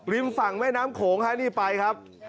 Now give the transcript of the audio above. ฝั่งแม่น้ำโขงฮะนี่ไปครับ